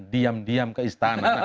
diam diam ke istana